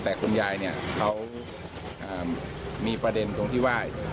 แต่คุณยายเนี่ยเขามีประเด็นตรงที่ว่า